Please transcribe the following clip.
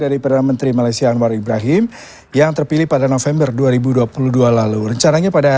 dari perdana menteri malaysia anwar ibrahim yang terpilih pada november dua ribu dua puluh dua lalu rencananya pada